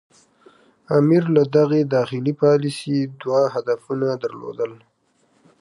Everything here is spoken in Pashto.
امیر له دغې داخلي پالیسي څخه دوه هدفونه درلودل.